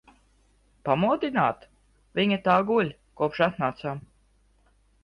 Pamodināt? Viņa tā guļ, kopš atnācām.